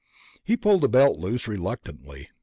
He pulled the belt loose, reluctantly.